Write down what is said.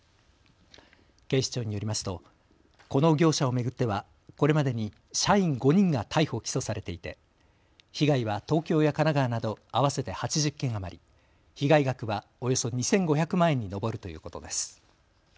警視庁によりますとこの業者を巡ってはこれまでに社員５人が逮捕・起訴されていて被害は東京や神奈川など合わせて８０件余り、被害額はおよそ２５００万円に上るということです。